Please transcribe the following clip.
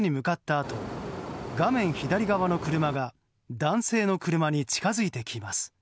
あと画面左側の車が男性の車に近づいてきます。